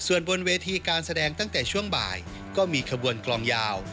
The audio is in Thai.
ส่วนบนเวทีการแสดงตั้งแต่ช่วงบ่ายก็มีขบวนกลองยาว